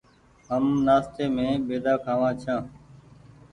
هم نآستي مين بيدآ کآوآن ڇآن ۔